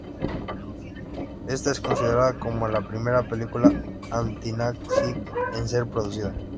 Ésta es considerada como la primera película antinazi en ser producida.